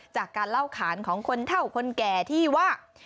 จากการเล่าขานของคนเท่าคนแก่ที่ว่า